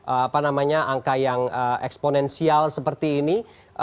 apa namanya angka yang eksponensial seperti ini